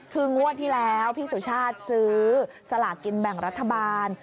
คืองวดที่แล้วพี่สุชาติซื้อสลากกินแบ่งรัฐบาล